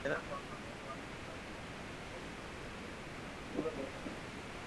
এরা পাতা ও ডালে প্রায়শই বসে, তবে সচারচর ফুলে বসে না।